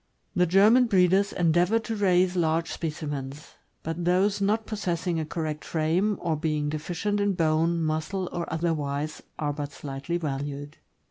The German breeders endeavor to raise large specimens; but those not possessing a correct frame, or being deficient in bone, muscle, or otherwise, are but slightly valued.